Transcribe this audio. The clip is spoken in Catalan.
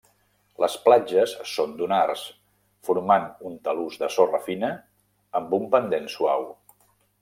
Les platges són dunars, formant un talús de sorra fina amb un pendent suau.